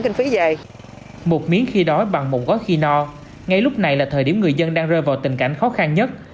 khi đói bằng mụn gói khi no ngay lúc này là thời điểm người dân đang rơi vào tình cảnh khó khăn nhất